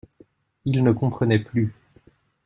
Il ne comprenait plus.